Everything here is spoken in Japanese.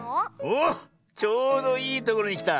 おっちょうどいいところにきた。